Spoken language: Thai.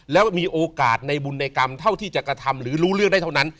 แล้วมีโอกาสในบุญในกรรมเท่าที่จะกระทำหรือรู้เรื่องได้เท่านั้น